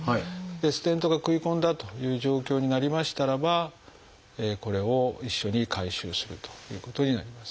ステントが食い込んだという状況になりましたらばこれを一緒に回収するということになります。